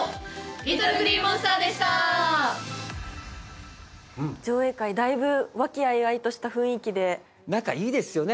ＬｉｔｔｌｅＧｌｅｅＭｏｎｓｔｅｒでした上映会だいぶ和気あいあいとした雰囲気で何かいいですよね